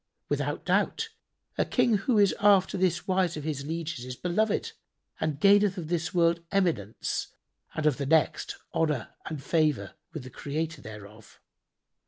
Without doubt, a King who is after this wise of his lieges is beloved and gaineth of this world eminence and of the next honour and favour with the Creator thereof.